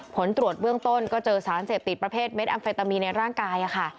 ผลตรวจเบื้องต้นก็เจอสารเสพติดประเภทเม็ดอัมเฟตามีในร่างกายค่ะ